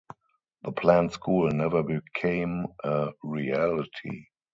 The planned school never became a reality.